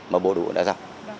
mà bố đủ đã ra